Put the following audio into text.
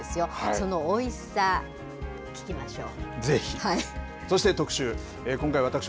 そのおいしさ、聞きましょう。